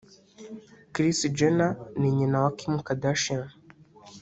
Kris Jenner ni nyina wa Kim Kardashian